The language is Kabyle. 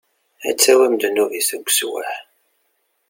Ad tawim ddnub-is, ugeswaḥ.